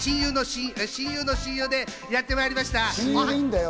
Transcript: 親友の親友でやってまいりました。